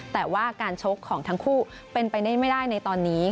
แต่ว่าการชกของทั้งคู่เป็นไปได้ไม่ได้ในตอนนี้